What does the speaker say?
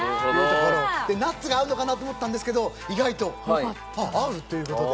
ナッツが合うのかな？と思ったんですけど意外と合うという事で。